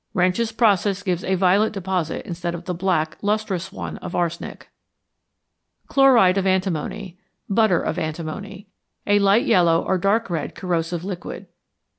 Reinsch's process gives a violet deposit instead of the black, lustrous one of arsenic. =Chloride of Antimony= (Butter of Antimony). A light yellow or dark red corrosive liquid.